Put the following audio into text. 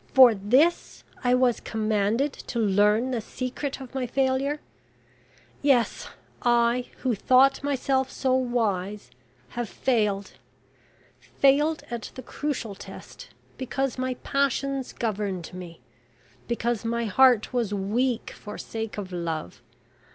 For this I was commanded to learn the secret of my failure. Yes, I, who thought myself so wise, have failed... Failed at the crucial test, because my passions governed me... because my heart was weak, for sake of love...